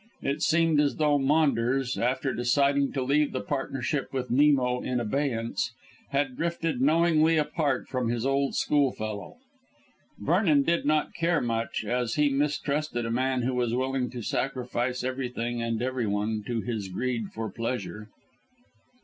It seemed as though Maunders, after deciding to leave the partnership with Nemo in abeyance, had drifted knowingly apart from his old schoolfellow. Vernon did not care much, as he mistrusted a man who was willing to sacrifice everything and everyone to his greed for pleasure.